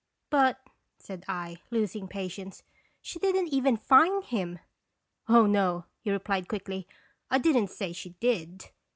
"But," said I, losing patience, " she didn't even find him." "Oh, no," he replied, quickly; "I didn't say she did."